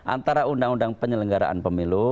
antara undang undang penyelenggaraan pemilu